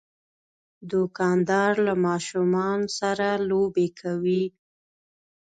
دوکاندار له ماشومان سره لوبې کوي.